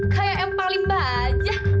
kayak yang paling bajak